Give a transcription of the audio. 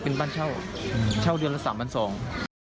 เป็นบ้านเช่าเช่าเดือนละสามพันสอง